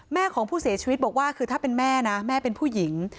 แม่ของผู้เสียชีวิตบอกว่าคือถ้าเป็นแม่นะแม่เป็นผู้หญิง